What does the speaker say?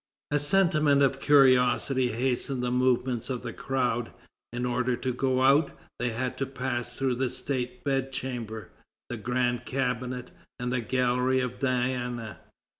A sentiment of curiosity hastened the movements of the crowd. In order to go out, they had to pass through the State Bedchamber, the Grand Cabinet, and the Gallery of Diana.